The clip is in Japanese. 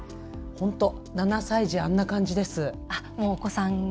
本当、７歳児あんな感じです。